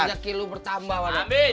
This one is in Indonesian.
kajak kilo bertambah pada